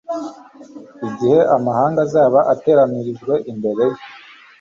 Igihe amahanga azaba ateranirijwe imbere ye,